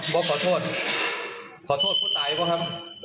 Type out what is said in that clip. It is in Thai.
บอกประโทษเลย